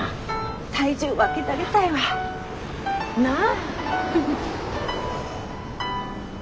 体重分けたげたいわ。なぁ？